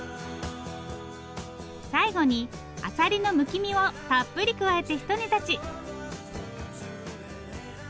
最後にアサリのむき身をたっぷり加えてひと煮立ち。